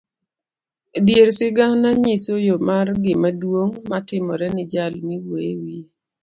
Dier sigana nyiso yoo mar gima duong' matimore ni jal miwuyo iwiye.